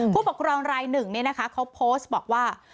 ผู้ปกครองลายหนึ่งนี่นะคะเขาโพสต์บอกว่า